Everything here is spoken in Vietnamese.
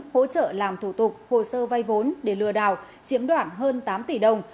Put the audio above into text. hỗ trợ làm thủ tục hồ sơ vay vốn để lừa đảo chiếm đoạt hơn tám tỷ đồng